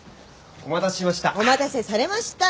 お待たせしました。